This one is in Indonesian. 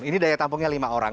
ini daya tampungnya lima orang